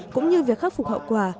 cũng như việc khắc phục hậu quả